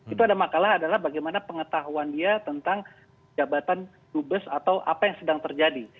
itu ada makalah adalah bagaimana pengetahuan dia tentang jabatan dubes atau apa yang sedang terjadi